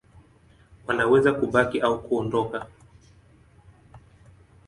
Wanaweza kubaki au kuondoka.